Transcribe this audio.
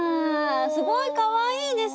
すごいかわいいですね！